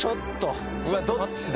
うわっどっちだ？